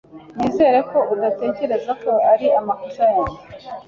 Nizere ko udatekereza ko ari amakosa yanjye.